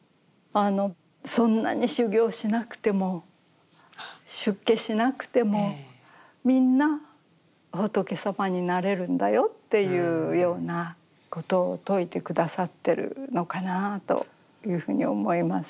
そんなに修行しなくても出家しなくてもみんな仏様になれるんだよっていうようなことを説いて下さってるのかなあというふうに思います。